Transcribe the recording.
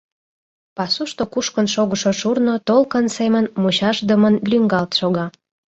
Пасушто кушкын шогышо шурно толкын семын мучашдымын лӱҥгалт шога.